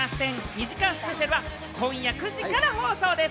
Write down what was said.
２時間スペシャルは今夜９時から放送です。